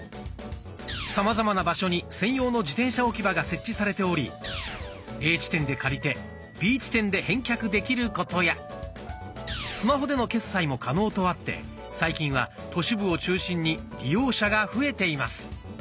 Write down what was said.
さまざまな場所に専用の自転車置き場が設置されておりＡ地点で借りてＢ地点で返却できることやスマホでの決済も可能とあって最近は都市部を中心に利用者が増えています。